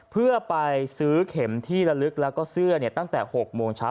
เพื่อไปซื้อเข็มที่ละลึกแล้วก็เสื้อตั้งแต่๖โมงเช้า